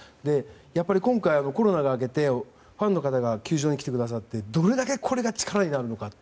やっぱり今回、コロナが明けてファンの方が球場に来てくださってどれだけこれが力になるのか。